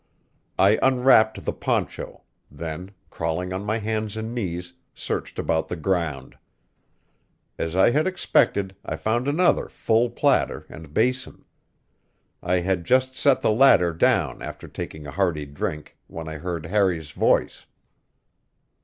I unwrapped the poncho; then, crawling on my hands and knees, searched about the ground. As I had expected, I found another full platter and basin. I had just set the latter down after taking a hearty drink when I heard Harry's voice.